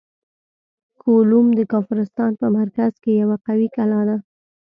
کولوم د کافرستان په مرکز کې یوه قوي کلا ده.